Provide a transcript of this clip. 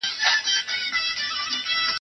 ما د ښوونځي کتابونه مطالعه کړي دي!.